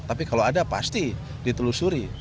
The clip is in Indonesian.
tapi kalau ada pasti ditelusuri